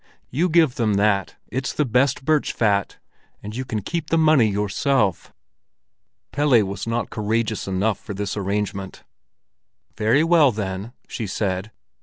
"You give them that: it's the best birch fat. And you can keep the money yourself." Pelle was not courageous enough for this arrangement. "Very well, then," she said.